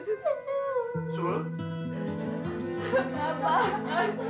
ibu jangan pergi bu